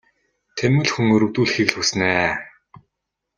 Тэнэмэл хүн өрөвдүүлэхийг л хүснэ ээ.